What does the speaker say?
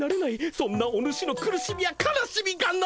そんなお主の苦しみや悲しみがな！